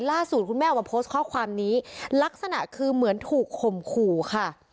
ล่าสุดคุณแม่ออกมาโพสต์ข้อความนี้ลักษณะคือเหมือนถูกข่มขู่ค่ะ